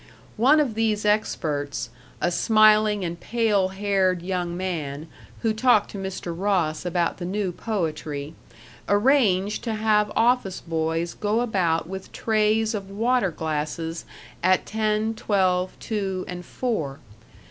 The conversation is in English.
One of these experts, a smiling and pale haired young man who talked to Mr. Ross about the new poetry, arranged to have office boys go about with trays of water glasses at ten, twelve, two, and four.